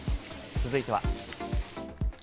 続いては。